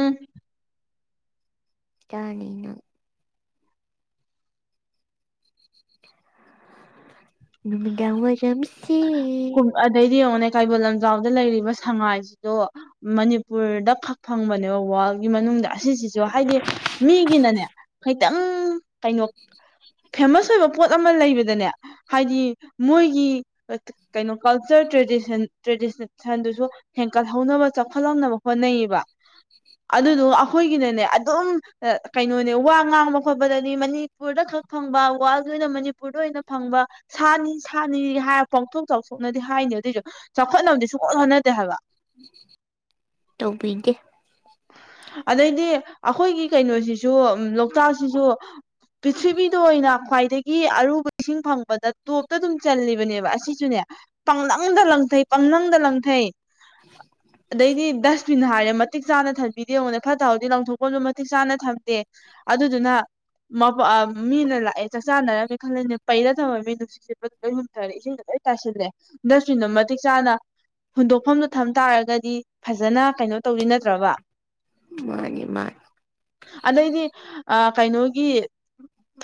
ꯎꯝ ꯆꯥꯔꯅꯤꯅ ꯅꯨꯃꯤꯗꯥꯡ ꯋꯥꯏꯔꯝꯁꯦ ꯗꯨꯝ ꯑꯗꯩꯗꯤ ꯌꯦꯡꯉꯣꯅꯦ ꯀꯩꯕꯨꯜ ꯂꯝꯖꯥꯎꯗ ꯂꯩꯔꯤꯕ ꯁꯉꯥꯏꯁꯤꯗꯣ ꯃꯅꯤꯄꯨꯔꯗ ꯐꯛ ꯐꯪꯕꯅꯦꯕ ꯋꯥꯔꯜꯒꯤ ꯃꯅꯨꯡꯗ ꯑꯁꯤꯁꯤꯁꯨ ꯍꯥꯏꯗꯤ ꯃꯤꯒꯤꯅꯅꯦ ꯈꯩꯇꯪ ꯀꯩꯅꯣ ꯐꯦꯃꯁ ꯑꯣꯏꯕ ꯄꯣꯠ ꯑꯃ ꯂꯩꯕꯗꯅꯦ ꯍꯥꯏꯗꯤ ꯃꯣꯏꯒꯤ ꯀꯩꯅꯣ ꯀꯜꯆꯔ ꯇ꯭ꯔꯦꯗꯤꯁꯟ ꯇ꯭ꯔꯦꯗꯤꯁꯟꯗꯨꯁꯨ ꯍꯦꯟꯀꯠꯍꯧꯅꯕ ꯆꯥꯎꯈꯠꯍꯧꯅꯕ ꯍꯣꯠꯅꯩꯌꯦꯕ ꯑꯗꯨꯗꯨ ꯑꯩꯈꯣꯏꯒꯤꯅꯅꯦ ꯑꯗꯨꯝ ꯀꯩꯅꯣꯅꯦ ꯋꯥ ꯉꯥꯡꯕ ꯈꯣꯠꯄꯗꯅꯤ ꯃꯅꯤ ꯃꯅꯤꯄꯨꯔꯗ ꯈꯛ ꯐꯪꯕ ꯋꯥꯔꯜꯒꯤ ꯑꯣꯏꯅ ꯃꯅꯤꯄꯨꯔꯗ ꯑꯣꯏꯅ ꯐꯪꯕ ꯁꯥꯅꯤ ꯁꯥꯅꯤ ꯍꯥꯏꯔ ꯄꯥꯎꯊꯣꯛ ꯆꯥꯎꯊꯣꯛꯅꯗꯤ ꯍꯥꯏꯅꯤ ꯑꯗꯨꯑꯣꯏꯁꯨ ꯆꯥꯎꯈꯠꯅꯕꯗꯤ ꯁꯨꯡꯍꯣꯠ ꯍꯣꯠꯅꯗꯦ ꯍꯥꯏꯕ ꯇꯧꯕꯤꯗꯦ ꯑꯗꯩꯗꯤ ꯑꯈꯣꯏꯒꯤ ꯀꯩꯅꯣꯁꯤꯁꯨ ꯁꯨ ꯂꯣꯛꯇꯥꯛꯁꯤꯁꯨ ꯄꯔꯤꯊꯤꯕꯤꯗ ꯑꯣꯏꯅ ꯈ꯭ꯋꯥꯏꯗꯩ ꯑꯔꯨꯕ ꯏꯁꯤꯡ ꯐꯪꯕꯗ ꯇꯣꯞꯇ ꯑꯗꯨꯝ ꯆꯜꯂꯤꯕꯅꯦꯕ ꯑꯁꯤꯁꯨꯅꯦ ꯄꯥꯡꯂꯪꯗ ꯂꯪꯊꯩ ꯄꯥꯡꯂꯪꯗ ꯂꯪꯊꯩ ꯑꯗꯩꯗꯤ ꯗꯁꯕꯤꯟ ꯍꯥꯏꯔꯦ ꯃꯇꯤꯛ ꯃꯇꯤꯛ ꯆꯥꯅ ꯊꯝꯕꯤꯗꯦ ꯌꯦꯉꯣꯟꯅꯦ ꯐꯠꯇ ꯍꯥꯎꯗꯤ ꯂꯪꯊꯣꯛꯐꯝꯁꯨ ꯃꯇꯤꯛ ꯆꯥꯅ ꯊꯝꯗꯦ ꯑꯗꯨꯗꯨꯅ ꯃꯤꯅ ꯂꯥꯛꯑꯦ ꯆꯥꯛ ꯆꯥꯅꯔꯝꯃꯤ ꯈꯜꯂꯅꯦ ꯄꯩꯔ ꯊꯝꯃꯝꯃꯦ ꯅꯨꯡꯁꯤ ꯁꯤꯠꯄꯗ ꯂꯣꯏ ꯃꯨꯠꯈ꯭ꯔꯥꯅꯤ ꯏꯁꯤꯡꯗ ꯂꯣꯏ ꯇꯥꯁꯤꯜꯂꯦ ꯗꯁꯕꯤꯟꯗꯣ ꯃꯇꯤꯛ ꯆꯥꯅ ꯍꯨꯟꯗꯣꯛꯐꯝꯗꯨ ꯊꯝ ꯇꯥꯔꯒꯗꯤ ꯐꯖꯅ ꯀꯩꯅꯣ ꯇꯧꯗꯤ ꯅꯠꯇ꯭ꯔꯕ ꯃꯥꯅꯤ ꯃꯥꯅꯤ ꯑꯗꯩꯗꯤ ꯑꯥ ꯀꯩꯅꯣꯒꯤ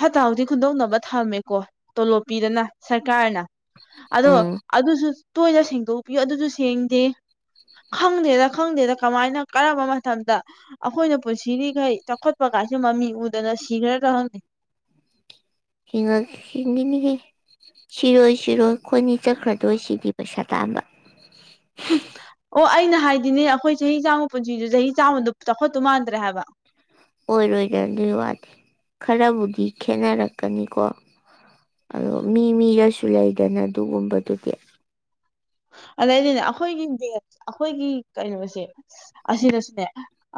ꯐꯠꯇ ꯍꯥꯎꯗꯤ ꯈꯨꯟꯗꯣꯛꯅꯕ ꯊꯝꯃꯦꯀꯣ ꯇꯣꯂꯣꯞꯄꯤꯗꯅ ꯁꯔꯀꯥꯔꯅ ꯑꯗꯣ ꯎꯝ ꯑꯗꯨꯁꯨ ꯇꯣꯏꯅ ꯁꯦꯡꯗꯣꯛꯄꯤꯌꯨ ꯑꯗꯨꯖꯨ ꯁꯦꯡꯗꯦ ꯈꯪꯗꯦꯗ ꯈꯪꯗꯦꯗ ꯀꯃꯥꯏꯅ ꯀꯔꯝꯕ ꯃꯇꯝꯗ ꯑꯩꯈꯣꯏꯅ ꯄꯨꯟꯁꯤꯔꯤꯈꯩ ꯆꯥꯎꯈꯠꯄ ꯀꯥꯏꯁꯨ ꯃꯃꯤ ꯎꯗꯅ ꯁꯤꯈ꯭ꯔꯗ ꯍꯪꯗꯦ ꯍꯤꯡꯉꯛ ꯍꯤꯡꯒꯤꯅꯤꯍꯦ ꯁꯤꯔꯣꯏ ꯁꯤꯔꯣꯏ ꯈꯣꯢꯅꯤ ꯆꯠꯈ꯭ꯔꯗꯣꯏ ꯁꯤꯗꯤ ꯄꯩꯁꯥ ꯇꯥꯟꯕ ꯑꯣ ꯑꯩꯅ ꯍꯥꯏꯗꯤꯅꯦ ꯑꯩꯈꯣꯏ ꯆꯍꯤ ꯆꯥꯝꯃ ꯄꯨꯟꯁꯤꯗ ꯆꯍꯤ ꯆꯥꯝꯃꯗ ꯆꯥꯎꯈꯠꯇꯨ ꯃꯥꯟꯗ꯭ꯔꯦ ꯍꯥꯏꯕ ꯑꯣꯏꯔꯣꯏꯗ ꯑꯗꯨꯏ ꯋꯥꯗꯤ ꯈꯔꯕꯨꯗꯤ ꯈꯦꯠꯅꯔꯛꯀꯅꯤꯀꯣ ꯑꯗꯣ ꯃꯤ ꯃꯤꯒꯁꯨ ꯂꯩꯗꯅ ꯑꯗꯨꯒꯨꯝꯕꯗꯨꯗꯤ ꯑꯗꯩꯗꯤꯅꯦ ꯑꯩꯈꯣꯏꯒꯤ ꯗꯠ ꯑꯩꯈꯣꯏꯒꯤ ꯀꯩꯅꯣꯁꯦ ꯑꯁꯤꯅꯁꯨꯅꯦ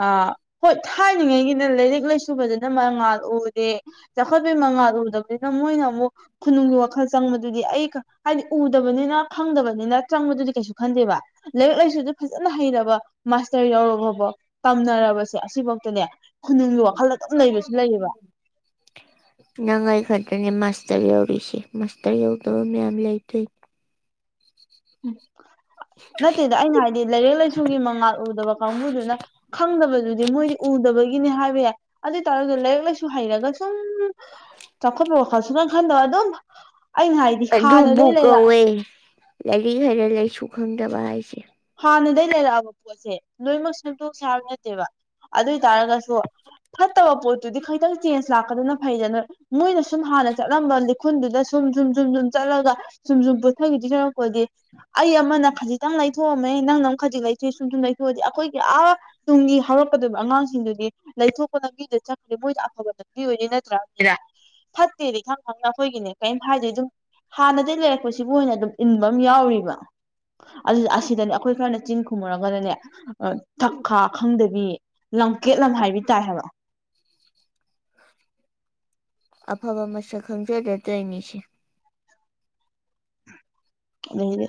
ꯑꯥ ꯍꯣꯏ ꯊꯥꯏꯅꯉꯩꯒꯤꯅꯦ ꯂꯥꯏꯔꯤꯛ ꯂꯥꯏꯁꯨ ꯐꯖꯅ ꯃꯉꯥꯜ ꯎꯗꯦ ꯆꯥꯎꯈꯠꯄꯤ ꯃꯉꯥꯜꯔ ꯎꯗꯕꯅꯤꯅ ꯃꯣꯏꯅ ꯑꯃꯨꯛ ꯈꯨꯅꯨꯡꯒꯤ ꯋꯥꯈꯜ ꯆꯪꯕꯗꯨꯗꯤ ꯑꯩ ꯈ ꯍꯥꯏꯗꯤ ꯎꯗꯕꯅꯤꯅ ꯈꯪꯗꯕꯅꯤꯅ ꯆꯪꯕꯗꯨꯗꯤ ꯀꯩꯁꯨ ꯈꯟꯗꯦꯕ꯫ ꯂꯥꯏꯔꯤꯛ ꯂꯥꯏꯁꯨꯗ ꯐꯖꯅ ꯍꯩꯔꯕ ꯃꯥꯁꯇꯔ ꯌꯥꯎꯔꯕꯐꯥꯎ ꯇꯝꯅꯔꯕꯁꯦ ꯑꯁꯤꯐꯧꯇꯅꯦ ꯈꯨꯅꯨꯡꯒꯤ ꯋꯥꯈꯜ ꯑꯗꯨꯝ ꯂꯩꯕꯁꯨ ꯂꯩꯌꯦꯕ [unintelligible] ꯅꯪ ꯑꯩ ꯈꯛꯇꯅꯤ ꯃꯥꯁꯇꯔ ꯌꯧꯔꯤꯁꯦ ꯃꯥꯁꯇꯔ ꯌꯥꯎꯗꯕ ꯃꯌꯥꯝ ꯂꯩ ꯀꯩꯅꯣ ꯎꯝ ꯅꯠꯇꯦꯗ ꯑꯩꯅ ꯍꯥꯏꯗꯤ ꯂꯥꯏꯔꯤꯛ ꯂꯥꯏꯁꯨꯒꯤ ꯃꯉꯥꯜ ꯎꯗꯕ ꯀꯥꯡꯕꯨꯗꯨꯅ ꯈꯪꯗꯕꯗꯨꯗꯤ ꯃꯣꯏꯗꯤ ꯎꯗꯕꯒꯤꯅꯦ ꯍꯥꯏꯕ ꯌꯥꯏ ꯑꯗꯨ ꯑꯣꯏꯇꯥꯔꯁꯨ ꯂꯥꯏꯔꯤꯛ ꯂꯥꯏꯁꯨ ꯍꯩꯔꯒ ꯁꯨꯝ ꯆꯥꯎꯈꯠꯄ ꯋꯥꯈꯜ ꯁꯨꯈꯟ ꯈꯟꯗꯕ ꯑꯗꯨꯝ ꯑꯩꯅ ꯍꯥꯏ ꯑꯗꯨꯕꯨ ꯀꯧꯋꯦ ꯂꯥꯏꯔꯤꯛ ꯍꯩꯔ ꯂꯥꯏꯁꯨ ꯈꯪꯗꯕ ꯍꯥꯏꯁꯦ ꯍꯥꯟꯅꯗꯒꯤ ꯂꯩꯔꯛꯑꯕ ꯄꯣꯠꯁꯦ ꯂꯣꯏꯅꯃꯛ ꯁꯦꯝꯇꯣꯛ ꯁꯦ ꯍꯥꯏꯕ ꯅꯠꯇꯦꯕ ꯑꯗꯨ ꯑꯣꯏ ꯇꯔꯒꯁꯨ ꯐꯠꯇꯕ ꯄꯣꯠꯇꯨꯗꯤ ꯈꯩꯇꯪ ꯆꯦꯟꯖ ꯂꯥꯛꯀꯗꯅ ꯐꯩꯗꯅ ꯃꯣꯏꯅ ꯁꯨꯝ ꯍꯥꯟꯅ ꯆꯠꯂꯝꯕ ꯂꯤꯈꯨꯜꯗꯨꯗ ꯁꯨꯝ ꯁꯨꯝ ꯁꯨꯝ ꯁꯨꯝ ꯆꯠꯂꯒ ꯁꯨꯝ ꯁꯨꯝ ꯄꯨꯊꯒꯤꯗꯧ ꯁꯥꯔꯨꯛꯄꯨꯗꯤ ꯑꯩ ꯑꯃꯅ ꯈꯖꯤꯛꯇꯪ ꯂꯩ ꯊꯣꯛꯑꯝꯃꯦ ꯅꯪꯅ ꯑꯃꯨꯛ ꯈꯖꯤꯛ ꯂꯩꯊꯣꯛꯑꯦ ꯁꯨꯝ ꯁꯨꯝ ꯂꯩꯊꯣꯛꯑꯗꯤ ꯑꯩꯈꯣꯏꯒꯤ ꯑꯥ ꯇꯨꯡꯒꯤ ꯍꯧꯔꯛꯀꯗꯣꯢꯕ ꯑꯉꯥꯡꯁꯤꯡꯗꯨꯗꯤ ꯂꯩꯊꯣꯛꯄ ꯂꯝꯪꯕꯤꯗꯨ ꯆꯠꯈ꯭ꯔꯅꯤ ꯃꯣꯏꯗ ꯑꯐꯕ ꯂꯝꯪꯕꯤ ꯑꯣꯏꯅꯤ ꯅꯠꯇ꯭ꯔꯥ? ꯐꯠꯇꯦꯗꯤ ꯈꯪ ꯈꯪ ꯑꯈꯣꯏꯒꯤꯅꯦ ꯀꯔꯤꯝ ꯍꯥꯏꯗꯣꯏ ꯑꯗꯨꯝ ꯍꯥꯟꯅꯗꯒꯤ ꯂꯩꯔꯛꯄꯁꯤꯕꯨ ꯅ ꯑꯗꯨꯝ ꯏꯟꯕ ꯑꯃ ꯌꯥꯎꯔꯤꯕ ꯑꯗꯨ ꯁꯤꯗꯅꯦ ꯑꯩꯈꯣꯏ ꯈꯔꯅ ꯆꯤꯡ ꯈꯨꯝꯃꯨꯔꯒꯅꯦ ꯑꯥ ꯊꯛꯈꯥ ꯈꯪꯗꯕꯤ ꯂꯝꯀꯦꯠꯂꯝ ꯍꯥꯏꯕꯤ ꯇꯥꯏ ꯍꯥꯏꯕ꯫ ꯑꯐꯕ ꯃꯁꯛ ꯈꯪꯖꯗꯥ ꯇꯧꯔꯤꯅꯤꯁꯦ ꯑꯥꯗꯒꯤꯗꯤ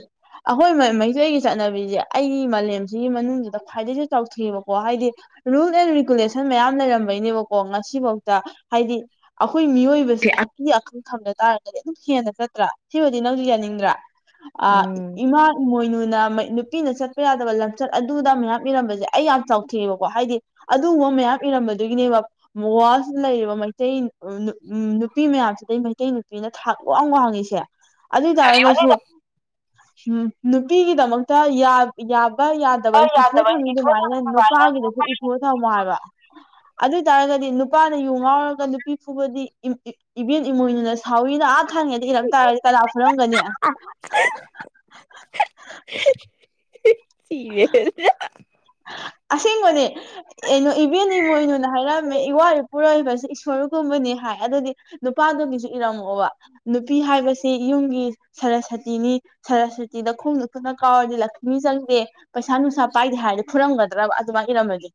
ꯑꯈꯣꯏ ꯃꯩꯇꯩꯒꯤ ꯆꯠꯅꯕꯤꯁꯦ ꯑꯩꯒꯤ ꯃꯥꯂꯦꯝꯁꯤꯒꯤ ꯃꯅꯨꯡꯁꯤꯗ ꯈ꯭ꯋꯥꯏꯗꯩꯒꯤꯁꯨ ꯆꯥꯎꯊꯑꯦꯕꯀꯣ ꯍꯥꯏꯗꯤ ꯔꯨꯜ ꯑꯦꯟ ꯔꯤꯒꯨꯂꯦꯁꯟ ꯃꯌꯥꯝ ꯂꯩꯔꯝꯕꯩꯅꯦꯕꯀꯣ ꯉꯁꯤꯐꯥꯎꯗ ꯍꯥꯏꯗꯤ ꯑꯩꯈꯣꯏ ꯃꯤꯑꯣꯏꯕꯁꯦ ꯑꯀꯤ ꯑꯈꯪ ꯊꯝꯗ ꯇꯥꯔꯒꯗꯤ ꯑꯗꯨꯝ ꯍꯦꯟꯅ ꯆꯠꯇ꯭ꯔꯥ ꯁꯤꯕꯨꯗꯤ ꯅꯪꯁꯨ ꯌꯥꯅꯤꯡꯗ꯭ꯔꯥ ꯑꯥ ꯎꯝ ꯏꯃꯥ ꯏꯃꯣꯏꯅꯨꯅ ꯅꯨꯄꯤꯅ ꯆꯠꯄ ꯌꯥꯗꯕ ꯂꯝꯆꯠ ꯑꯗꯨꯗ ꯃꯌꯥꯝ ꯏꯔꯝꯕꯖꯦ ꯑꯩ ꯌꯥꯝ ꯆꯥꯎꯊꯦꯡꯑꯦꯕꯀꯣ ꯍꯥꯏꯗꯤ ꯑꯗꯨꯒꯨꯝꯕ ꯃꯌꯥꯝ ꯏꯔꯝꯕꯗꯨꯒꯤꯅꯦꯕ ꯋꯥꯜꯁꯤꯗ ꯂꯩꯔꯤꯕ ꯃꯩꯇꯩ ꯎꯝ ꯅꯨꯄꯤ ꯃꯌꯥꯝꯁꯤꯗꯩ ꯃꯩꯇꯩ ꯅꯨꯄꯤꯅ ꯊꯥꯛ ꯋꯥꯡ ꯋꯥꯡꯉꯤꯁꯦ ꯑꯗꯨ ꯑꯣꯏ ꯇꯔꯒꯁꯨ ꯎꯝ ꯅꯨꯄꯤꯒꯤꯗꯃꯛꯇ ꯌꯥ ꯌꯥꯕ ꯌꯥ ꯇꯕꯩ ꯏꯊꯣꯛꯑ ꯊꯝꯅꯤꯡ ꯑꯗꯨꯃꯥꯏꯅ ꯅꯨꯄꯥꯒꯤꯗꯁꯨ ꯏꯊꯣꯛꯑ ꯊꯝꯃꯣ ꯍꯥꯏꯕ꯫ ꯑꯗꯨ ꯑꯣꯏ ꯇꯔꯒꯗꯤ ꯅꯨꯄꯥꯅ ꯌꯨ ꯉꯥꯎꯔꯒ ꯅꯨꯄꯤ ꯐꯨꯕꯗꯤ ꯏꯕꯦꯟ ꯏꯃꯣꯏꯅꯨꯅ ꯁꯥꯎꯋꯏꯅ ꯑꯥ ꯊꯥꯉꯩꯗꯤ ꯀꯈꯤꯔꯝ ꯇꯥꯔꯗꯤ ꯀꯅꯥ ꯐꯨꯔꯝꯒꯅꯤ [unintelligible] ꯁꯤꯔꯦꯗ ꯑꯁꯦꯡꯕꯅꯦ ꯏꯕꯦꯟ ꯏꯃꯣꯏꯅꯨꯅ ꯍꯥꯏꯔꯝꯃꯦ ꯏꯋꯥ ꯄꯨꯔꯛꯏꯕꯁꯦ ꯏꯁꯣꯔꯒꯨꯝꯕꯅꯤ ꯍꯥꯏ ꯑꯗꯨꯗꯤ ꯅꯨꯄꯥꯗꯨꯒꯤꯁꯨ ꯏꯔꯝꯃꯛꯑꯣꯕ ꯅꯨꯄꯤ ꯍꯥꯏꯕꯁꯤ ꯌꯨꯝꯒꯤ ꯁꯔꯁꯇꯤꯅꯤ ꯁꯔꯁꯇꯤꯗ ꯈꯣꯡꯗ ꯐꯅ ꯀꯥꯎꯔꯗꯤ ꯂꯛꯁꯃꯤ ꯆꯪꯗꯦ ꯄꯩꯁꯥ ꯅꯨꯡꯁꯥ ꯄꯥꯏꯗꯦ ꯍꯥꯏꯔꯗꯤ ꯈꯨꯔꯝꯒꯗ꯭ꯔꯕ ꯑꯗꯨꯃꯥꯏꯅ ꯏꯔꯝꯃꯗꯤꯦ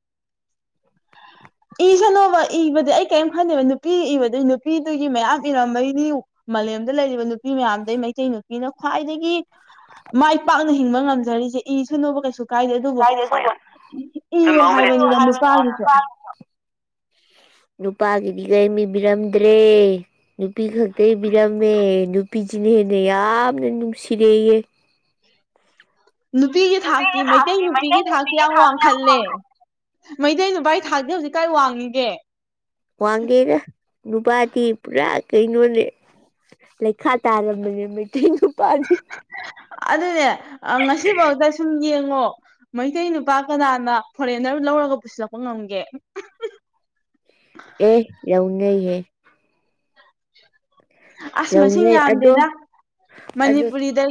[unintelligible] ꯏꯁꯅꯣꯕ ꯏꯕꯗꯤ ꯑꯩ ꯀꯔꯤꯝ ꯈꯟꯗꯦꯕ ꯅꯨꯄꯤ ꯏꯕꯗꯨ ꯅꯨꯄꯤꯗꯨꯒꯤ ꯃꯌꯥꯝ ꯏꯔꯝꯕꯩꯅꯤ꯫ ꯃꯥꯂꯦꯝꯗ ꯂꯩꯔꯤꯕ ꯅꯨꯄꯤ ꯃꯌꯥꯝꯗꯩ ꯃꯩꯇꯩ ꯅꯨꯄꯤꯅ ꯈ꯭ꯋꯥꯏꯗꯒꯤ ꯃꯥꯏ ꯄꯥꯛꯅ ꯍꯤꯡꯕ ꯉꯝꯖꯔꯤꯁꯦ ꯏ ꯁꯨꯅꯨꯕ ꯀꯩꯁꯨ ꯀꯥꯏꯗꯦ ꯑꯗꯨꯕꯨ ꯏꯌꯨ ꯍꯥꯏꯕꯅꯤꯅ ꯅꯨꯄꯥꯒꯤꯁꯨ [unintelligible] ꯅꯨꯄꯥꯒꯤꯗꯤ ꯀꯩ ꯃꯤꯕꯤꯔꯝꯗ꯭ꯔꯦ ꯅꯨꯄꯤ ꯈꯛꯇꯩ ꯐꯤꯜꯝꯅꯣ ꯅꯨꯄꯤꯁꯤꯅ ꯍꯦꯟꯅ ꯌꯥꯝꯅ ꯅꯨꯡꯁꯤꯗꯦꯌꯦ꯫ ꯅꯨꯄꯤꯒꯤ ꯊꯥꯛꯇꯤ ꯃꯩꯇꯩ ꯅꯨꯄꯤꯒꯤ ꯊꯥꯛꯇꯤ ꯌꯥꯝꯉ ꯋꯥꯡꯈꯜꯂꯦ ꯃꯩꯇꯩ ꯅꯨꯄꯥꯢ ꯊꯥꯛ ꯆꯦ ꯍꯧꯖꯤꯛ ꯀꯥꯏ ꯋꯥꯡꯉꯤꯒꯦ꯫ ꯋꯥꯟꯒꯦꯔꯦ ꯅꯨꯄꯥꯗꯤ ꯄꯨꯔꯥ ꯀꯩꯅꯣꯅꯦ ꯂꯩꯈꯥ ꯇꯥꯔꯝꯕꯅꯦ ꯃꯩꯇꯩ ꯅꯨ ꯑꯗꯨꯅꯦ ꯉꯁꯤꯐꯥꯎꯗ꯫ ꯁꯨꯝ ꯌꯦꯡꯉꯣ ꯃꯩꯇꯩ ꯅꯨꯄꯥ ꯀꯅꯥꯅ ꯐꯣꯔꯦꯟꯅꯔ ꯂꯧꯔꯒ ꯄꯨꯁꯤꯜꯂꯛꯄ ꯉꯝꯒꯦ? ꯑꯦ ꯌꯥꯎꯟ ꯌꯥꯏꯌꯦꯦ ꯑꯁ ꯃꯁꯤꯡ ꯂꯧꯅꯩ ꯑꯗꯣ ꯌꯥꯝꯗꯦꯅ ꯑꯗꯨ ꯃꯅꯤꯄꯨꯔꯤꯗ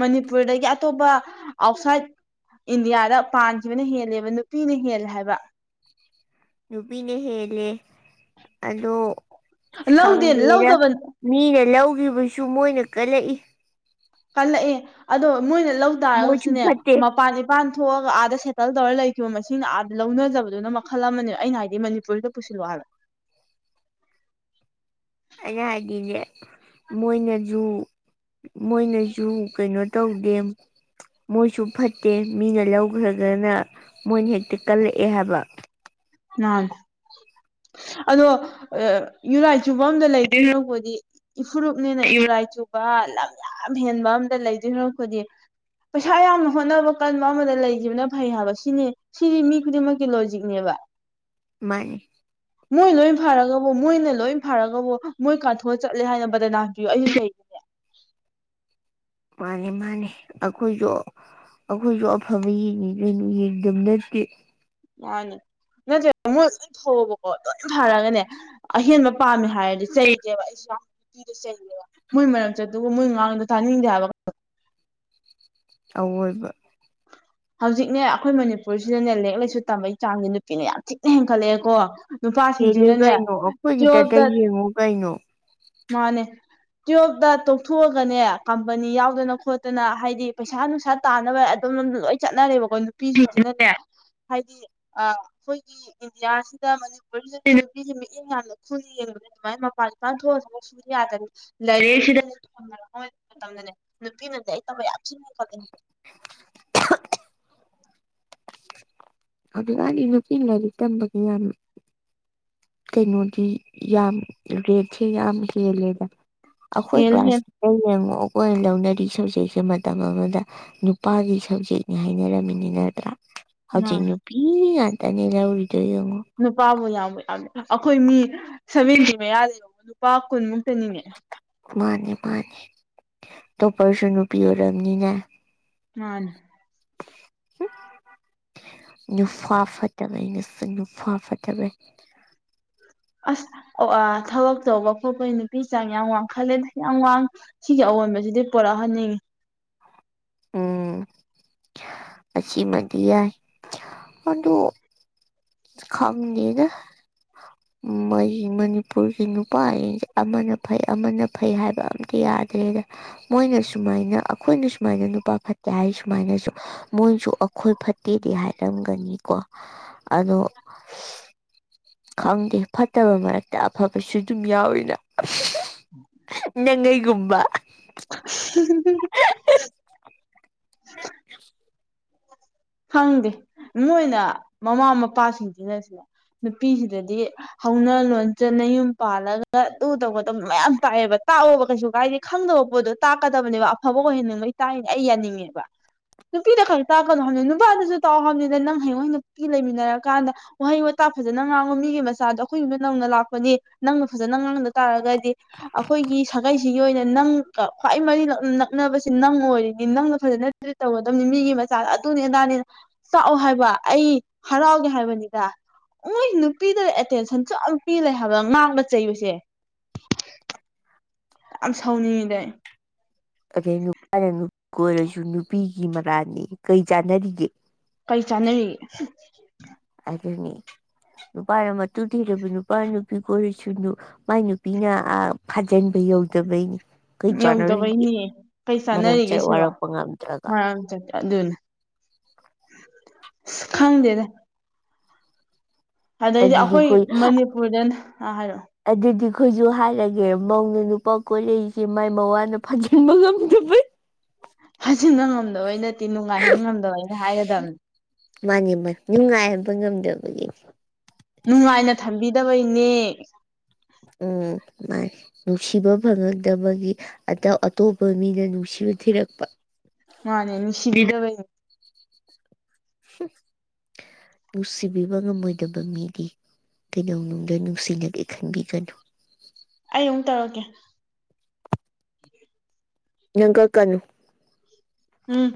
ꯃꯅꯤꯄꯨꯔꯗꯒꯤ ꯑꯇꯣꯞꯄ ꯑꯥꯎꯠꯁꯥꯏꯠ ꯏꯟꯗꯤꯌꯥꯗ ꯄꯥꯟꯈꯤꯕꯅ ꯍꯦꯜꯂꯦꯕ ꯅꯨꯄꯤꯅ ꯍꯦꯜꯂꯦ ꯍꯥꯏꯕ ꯅꯨꯄꯤꯅ ꯍꯦꯜꯂꯦ ꯑꯗꯣ ꯂꯧꯗꯦ ꯈꯪꯗꯦꯔ ꯂꯧꯗꯕ ꯃꯤꯅ ꯂꯧꯒꯤꯕꯁꯨ ꯃꯣꯏꯅ ꯀꯜꯂꯛꯏ꯫ ꯀꯜꯂꯛꯑꯦ ꯑꯗꯣ ꯃꯣꯏꯅ ꯂꯧ ꯃꯣꯏꯁꯨ ꯇꯥꯔꯒꯁꯨꯅꯦ ꯐꯠꯇꯦ ꯃꯄꯥꯖꯦ ꯄꯥꯟ ꯊꯣꯛꯑꯒ ꯑꯥꯗ ꯁꯦꯇꯜ ꯇꯧꯔ ꯂꯩꯈꯤꯕ ꯃꯁꯤꯡꯅ ꯑꯥꯗ ꯂꯧꯅꯖꯕꯗꯨꯅ ꯃꯈꯜ ꯑꯃꯅꯦꯕ ꯑꯩꯅ ꯍꯥꯏꯗꯤ ꯃꯅꯤꯄꯨꯔꯁꯤꯗ ꯄꯨꯁꯤꯜꯂꯣ ꯍꯥꯏꯕ ꯑꯩꯅ ꯍꯥꯏꯗꯤꯅꯦ ꯃꯣꯏꯅꯖꯨ ꯃꯣꯏꯅꯁꯨ ꯀꯩꯅꯣ ꯇꯧꯗꯦ ꯃꯣꯏꯁꯨ ꯐꯠꯇꯦ ꯃꯤꯅ ꯂꯧꯈ꯭ꯔꯒꯅ ꯃꯣꯏꯅ ꯍꯦꯛꯇ ꯀꯜꯂꯛꯑꯦ ꯍꯥꯏꯕ ꯅ ꯑꯗꯣ ꯌꯨꯔꯥꯏꯆꯨꯕ ꯑꯝꯗ ꯂꯩꯗꯣꯢ ꯁꯥꯔꯨꯛꯄꯨꯗꯤ ꯏꯐꯨꯔꯨꯞꯅꯦꯅ ꯌꯨꯔꯥꯏ ꯆꯨꯕ ꯂꯝ ꯌꯥꯝ ꯍꯦꯟꯕ ꯑꯝꯗ ꯂꯩꯗꯨ ꯁꯔꯨꯛꯄꯨꯗꯤ ꯄꯩꯁꯥ ꯌꯥꯝꯅ ꯍꯣꯠꯅꯕ ꯀꯟꯕ ꯑꯃꯗ ꯂꯩꯈꯤꯕꯅ ꯐꯩ ꯍꯥꯏꯕ ꯁꯤꯅꯤ꯫ ꯁꯤꯗꯤ ꯃꯤ ꯈꯨꯗꯤꯡꯃꯛꯀꯤ ꯂꯣꯖꯤꯛꯅꯦꯕ ꯃꯥꯅꯤ꯫ ꯃꯣꯏ ꯂꯣꯏ ꯐꯔꯒꯕꯨ ꯃꯣꯏꯅ ꯂꯣꯏ ꯐꯔꯒꯕꯨ ꯃꯣꯏ ꯀꯥꯟꯊꯣꯛꯑ ꯆꯠꯂꯦ ꯍꯥꯏꯅ ꯕꯗꯅꯥꯝ ꯄꯤꯌꯨ ꯑꯩ ꯂꯩ ꯃꯥꯅꯦ ꯃꯥꯅꯦ ꯑꯈꯣꯏꯖꯨ ꯑꯈꯣꯏꯁꯨ ꯑꯐꯕ ꯌꯦꯡꯉꯤ ꯒꯩꯅꯣ ꯌꯦꯡꯗꯕ ꯅꯠꯇꯦ꯫ ꯃꯥꯅꯦ ꯅꯠꯇ꯭ꯔꯦ ꯃꯣꯏ [unintelligible] ꯂꯣꯏ ꯊꯥꯔꯛꯒꯅꯦ꯫ ꯑꯍꯦꯟꯕ ꯄꯥꯝꯃꯦ ꯍꯥꯏꯔꯗꯤ ꯆꯩꯇꯦꯕ ꯑꯩꯁꯨꯥ ꯄꯤꯗꯨ ꯆꯩꯌꯦꯕ ꯃꯣꯏ ꯃꯔꯝꯆꯠꯇꯨꯕꯨ ꯃꯣꯏ ꯉꯥꯡꯗꯣ ꯇꯥꯅꯤꯡꯗꯦ ꯍꯥꯏꯕ ꯑꯋꯣꯏꯕ ꯍꯧꯖꯤꯛꯅꯦ ꯑꯩꯈꯣꯏ ꯃꯅꯤꯄꯨꯔꯁꯤꯗꯅꯦ ꯂꯦꯔꯤꯛ ꯂꯥꯏꯁꯨ ꯇꯝꯕꯒꯤ ꯆꯥꯡꯁꯦ ꯅꯨꯄꯤꯅ ꯌꯥꯝ ꯊꯤꯅ ꯍꯦꯟꯒꯠꯂꯛꯑꯦꯀꯣ ꯍꯦꯜꯂꯦ ꯅꯨꯄꯥꯁꯤꯡꯁꯤꯅꯅꯦ ꯀꯩꯅꯣ ꯑꯩꯈꯣꯏꯒꯤ ꯇꯇ ꯇꯨꯋꯦꯜꯐꯇ ꯌꯦꯡꯉꯨ ꯀꯩꯅꯣ ꯃꯥꯅꯦ ꯇꯌꯣꯞꯇ ꯇꯣꯛꯊꯣꯛꯑꯒꯅꯦ ꯀꯝꯄꯅꯤ ꯌꯥꯎꯗꯅ ꯈꯣꯠꯇꯅ ꯍꯥꯏꯗꯤ ꯄꯩꯁꯥ ꯅꯨꯡꯁꯥ ꯇꯥꯟꯅꯕ ꯑꯗꯨꯝ ꯂꯣꯝ ꯗ ꯂꯣꯏ ꯆꯠꯅꯔꯦꯕꯀꯣ ꯅꯨꯄꯤꯁꯤꯡꯁꯤꯅꯅꯦ ꯍꯥꯏꯗꯤ ꯑ ꯈꯣꯏꯒꯤ ꯏꯟꯗꯤꯌꯥꯁꯤꯗ ꯃꯅꯤꯄꯨꯔꯁꯤꯗꯁꯦ ꯃꯤꯠꯌꯦꯡ ꯌꯥꯝꯅ ꯈꯨꯜꯜꯂꯤ ꯌꯦꯡꯕ ꯑꯗꯨꯃꯥꯏ ꯃꯥꯄꯥꯟ ꯏꯄꯥꯟ ꯊꯣꯛꯑ ꯊꯕꯛ ꯁꯨꯕ ꯌꯥꯗꯕꯒꯤ ꯂꯩꯔꯦꯁꯤꯗ ꯇꯝꯗꯨꯅꯦ ꯅꯨꯄꯤ [unintelligible] ꯍꯧꯖꯤꯛ ꯀꯥꯟꯗꯤ ꯅꯨꯄꯤ ꯂꯥꯏꯔꯤꯛ ꯇꯝꯕꯒꯤ ꯌꯥꯝ ꯀꯩꯅꯣꯗꯤ ꯌꯥꯝ ꯔꯦꯠꯁꯦ ꯌꯥꯝ ꯍꯦꯜꯂꯦꯗ ꯑꯩꯈꯣꯏ ꯍꯦꯜꯂꯦ ꯍꯦꯜꯂꯦ ꯀ꯭ꯂꯥꯁ ꯑꯩ ꯌꯦꯡꯉꯛꯑꯣ ꯀꯣꯏ ꯂꯧꯅꯔꯤ ꯁꯤꯡꯁꯦ ꯃꯇꯝ ꯑꯃꯗ ꯅꯨꯄꯥꯒꯤ ꯁꯕꯖꯦꯛꯅꯤ ꯍꯥꯏꯅꯔꯝꯃꯤꯅꯤ ꯅꯠꯇ꯭ꯔꯥ꯫ ꯃꯥꯅꯦ ꯍꯧꯖꯤꯛ ꯅꯨꯄꯤ ꯉꯥꯛꯇꯅꯦ ꯂꯧꯔꯤꯗꯣ ꯌꯦꯉꯣ꯫ ꯅꯨꯄꯥꯕꯨ ꯌꯥꯝꯕ ꯌꯥꯝꯃꯦ ꯑꯈꯣꯏ ꯃꯤ ꯁꯚꯦꯟꯇꯤ ꯃꯌꯥ ꯂꯩꯔꯣ ꯅꯨꯄꯥ ꯀꯨꯟꯃꯨꯛꯇ ꯅꯤꯅꯦ꯫ ꯃꯥꯅꯦ ꯃꯥꯅꯦ ꯇꯣꯞꯄꯔꯁꯨ ꯅꯨꯄꯤ ꯑꯣꯏꯔꯝꯅꯤꯅꯦ ꯃꯥꯅꯦ꯫ ꯅꯨꯐꯥ ꯐꯠꯇꯕ ꯑꯩꯅꯁꯨ ꯅꯨꯄꯥꯥ ꯐꯠꯇꯕꯩ ꯑꯁ ꯑꯣ ꯑꯥ ꯊꯕꯛ ꯇꯧꯕ ꯈꯣꯠꯄꯩ ꯅꯨꯄꯤ ꯆꯥꯡ ꯌꯥꯝ ꯋꯥꯡꯈꯠꯂꯦꯅꯦ ꯌꯥꯝ ꯋꯥꯡ ꯁꯤꯒꯤ ꯑꯑꯣꯟꯕꯁꯤꯗꯤ ꯄꯨꯣꯔꯛꯍꯟꯅꯤꯡꯉꯤ꯫ ꯎꯝ ꯑꯁꯤꯃꯗꯤ ꯌꯥꯏ ꯑꯗꯣ ꯈꯪꯗꯦꯗ ꯃꯣꯏꯒꯤ ꯃꯅꯤꯄꯨꯔꯒꯤ ꯅꯨꯄꯥ ꯒꯩ ꯑꯃꯅ ꯐꯩ ꯑꯃꯅ ꯐꯩ ꯍꯥꯏꯕ ꯑꯝꯇ ꯌꯥꯗ꯭ꯔꯦꯗ ꯃꯣꯏꯅ ꯁꯨꯃꯥꯏꯅ ꯑꯈꯣꯏꯅ ꯁꯨꯃꯥꯏꯅ ꯅꯨꯄꯥ ꯐꯠꯇꯦ ꯍꯥꯏ ꯁꯨꯃꯥꯏꯅꯁꯨ꯫ ꯃꯣꯏꯖꯨ ꯑꯈꯣꯏ ꯐꯠꯇꯦꯗꯤ ꯍꯥꯏꯔꯝꯒꯅꯤꯀꯣ ꯑꯗꯣ ꯈꯪꯗꯦ ꯐꯠꯇꯕ ꯃꯔꯛꯇ ꯑꯐꯕꯁꯨ ꯑꯗꯨꯝ ꯌꯥꯎꯋꯤꯅ [unintelligible] [inaudible] ꯅꯦꯅꯦꯒꯨꯝꯕ [unintelligible] [inaudible] ꯈꯪꯗꯦ ꯃꯣꯏꯅ ꯃꯃꯥ ꯃꯄꯥꯁꯤꯡꯁꯤꯅ ꯁꯨꯅ ꯅꯨꯄꯤꯁꯤꯗꯗꯤ ꯍꯧꯅ ꯂꯣꯟꯆꯠꯅ ꯌꯨꯝ ꯄꯥꯜꯂꯒ ꯑꯗꯨ ꯇꯧꯒꯗꯕ ꯃꯌꯥꯝ ꯇꯥꯛꯑꯦꯕ ꯇꯥꯛꯑꯣꯕ ꯀꯩꯁꯨ ꯀꯥꯏꯗꯦ꯫ ꯈꯪꯗꯕ ꯄꯣꯠꯇꯣ ꯇꯥꯛꯀꯗꯕꯅꯦꯕ ꯑꯐꯕ ꯑꯣꯏꯍꯟꯅꯤꯡꯕꯩ ꯇꯥꯛꯢꯅꯦ ꯑꯩ ꯌꯥꯅꯤꯡꯉꯦꯕ꯫ ꯅꯨꯄꯤꯗ ꯈꯛꯇ ꯇꯥꯛꯀꯅꯣ ꯍꯥꯏꯕꯅꯤ ꯅꯨꯄꯥꯗꯨꯁꯨ ꯇꯥꯛ ꯍꯥꯏꯅꯤꯅ ꯅꯪ ꯍꯌꯦꯡꯩꯅ ꯅꯨꯄꯤ ꯂꯩꯃꯤꯟꯅꯔ ꯀꯥꯟꯗ ꯋꯥꯍꯩ ꯋꯥꯇꯥ ꯐꯖꯅ ꯉꯥꯡꯕ ꯃꯤꯒꯤ ꯃꯆꯥꯗꯣ ꯑꯩꯈꯣꯏꯌꯨꯝꯗ ꯅꯧꯅ ꯂꯥꯛꯄꯅꯤ ꯅꯪꯅ ꯐꯖꯅ ꯉꯥꯡꯗ ꯇꯥꯔꯒꯗꯤ ꯑꯩꯈꯣꯏꯒꯤ ꯁꯥꯒꯩꯁꯤꯒꯤ ꯑꯣꯏꯅ ꯅꯪꯒ ꯈ꯭ꯋꯥꯏ ꯃꯔꯤꯛ ꯅꯛꯅꯕꯁꯤ ꯅꯪ ꯑꯣꯏꯔꯤꯅꯤ ꯅꯪꯒ ꯐꯖꯅ ꯗꯨꯗꯤ ꯇꯧꯒꯗꯝꯅꯤ ꯃꯤꯒꯤ ꯃꯆꯥ ꯑꯗꯨꯅꯤ ꯑꯗꯥꯅꯤ꯫ ꯆꯥꯛꯑꯣ ꯍꯥꯏꯕ ꯑꯩ ꯍꯔꯥꯎꯒꯦ ꯍꯥꯏꯕꯅꯤ ꯃꯣꯏ ꯅꯨꯄꯤꯗ ꯑꯦꯇꯦꯟꯁꯟꯁꯨ ꯌꯥꯝ ꯄꯤ ꯂꯩꯦ ꯍꯥꯏꯕ ꯉꯥꯡꯕ ꯆꯩꯕꯁꯦ ꯌꯥꯝ ꯁꯥꯎꯅꯤꯡꯉꯤꯗ ꯑꯩ꯫ ꯑꯗꯩ ꯅꯨꯄꯥꯅ ꯀ ꯑꯣꯏꯔꯁꯨ ꯅꯨꯄꯤꯒꯤ ꯃꯔꯥꯜꯅꯤ ꯀꯩ ꯆꯥꯟꯅꯔꯤꯒꯦ ꯀꯩ ꯆꯥꯅꯔꯤꯒꯦ ꯍꯨꯝ꯫ ꯑꯗꯨꯅꯤ ꯅꯨꯄꯥꯅ ꯃꯇꯨ ꯊꯤꯔꯕ ꯅꯨꯄꯥꯅ ꯅꯨꯄꯤ ꯀꯣꯔꯤꯁꯨꯨꯅꯨ꯫ ꯃꯥꯏ ꯅꯨꯄꯤꯅ ꯑ ꯐꯥꯖꯟꯕ ꯌꯧꯗꯕꯩꯅꯤ꯫ ꯀꯩ ꯆꯥꯟꯅꯔꯤ ꯌꯧꯗꯕꯩꯅꯦ ꯀꯩ ꯃꯔꯛ ꯆꯥꯟꯅꯔꯤꯒꯦ ꯆꯠ ꯁꯤꯕꯣ ꯋꯥꯔꯛꯄ ꯉꯝꯗ꯭ꯔꯒ ꯃꯔꯥꯡ ꯆ ꯑꯗꯨꯅꯦ ꯏꯁ ꯈꯪꯗꯦꯗ꯫ ꯑꯗꯩꯗꯤ ꯑꯩꯈꯣꯏ ꯃꯅꯤꯄꯨꯔꯗꯅ ꯍꯥꯏꯔꯛꯑꯣ ꯑꯗꯨꯗꯤ ꯈꯣꯏꯖꯨ ꯍꯥꯏꯔꯒꯦ ꯃꯧꯅ ꯅꯨꯄꯥ ꯀꯣꯏꯂꯛꯁꯦ ꯃꯥꯏ ꯃꯋꯥꯅ ꯐꯥꯖꯤꯟꯕ ꯉꯝꯗꯕꯩ꯫ ꯍꯥꯖꯤꯟꯕ ꯉꯝꯗꯕꯩ ꯅꯠꯇꯦ ꯅꯨꯡꯉꯥꯏꯍꯟ ꯉꯝꯗꯕꯩꯅꯦ ꯍꯥꯏꯒꯗꯝ ꯃꯥꯅꯤ ꯃꯥ ꯅꯨꯡꯉꯥꯏꯍꯟꯕ ꯉꯝꯗꯕꯒꯤ꯫ ꯅꯨꯡꯉꯥꯏꯅ ꯊꯝꯕꯤꯗꯕꯩꯅꯦ ꯎꯝ ꯃꯥꯏ ꯅꯨꯡꯁꯤꯕ ꯐꯪꯉꯛꯇꯕꯒꯤ ꯑꯗ ꯑꯇꯣꯞꯄ ꯃꯤꯗ ꯅꯨꯡꯁꯤꯕ ꯊꯤꯔꯛꯄ꯫ ꯃꯥꯅꯦ ꯅꯨꯡꯁꯤꯕꯤꯗꯕꯩꯅꯦ꯫ ꯅꯨꯡꯁꯤꯕꯤꯕ ꯉꯝꯃꯣꯏꯗꯕ ꯃꯤꯗꯤ ꯀꯩꯗꯧꯅꯨꯡꯗ ꯅꯨꯡꯁꯤꯅꯒꯦ ꯈꯟꯕꯤꯒꯅꯨ ꯑꯩ ꯑꯃꯨꯛ ꯇꯧꯔꯛꯀꯦ꯫ ꯅꯪ ꯀꯛ ꯀꯥꯅꯨ꯫ ꯎꯝ